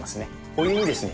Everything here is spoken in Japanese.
お湯にですね